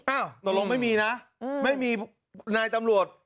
อ้าวหน่วงลงไม่มีนะไม่มีนายตำรวจ